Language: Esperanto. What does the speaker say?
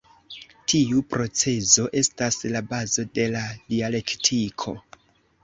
Tiu procezo estas la bazo de la dialektiko.